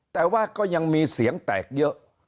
แต่ว่าก็ยังมีเสียงแตกเยอะ